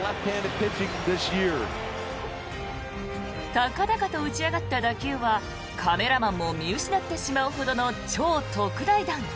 高々と打ち上がった打球はカメラマンも見失ってしまうほどの超特大弾。